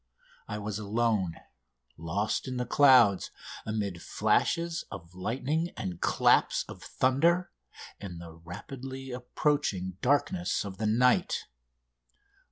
I was alone, lost in the clouds, amid flashes of lightning and claps of thunder, in the rapidly approaching darkness of the night!